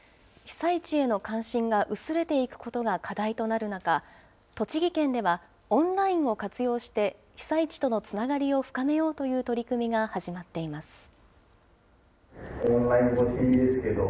被災地への関心が薄れていくことが課題となる中、栃木県ではオンラインを活用して、被災地とのつながりを深めようという取り組みが始まっています。